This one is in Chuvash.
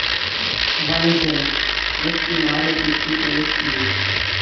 Тӑванӗсем, йӑх-тымарӗ пирки пӗлес килет.